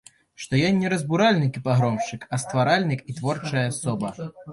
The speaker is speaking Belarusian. Што ён не разбуральнік і пагромшчык, а стваральнік і творчая асоба.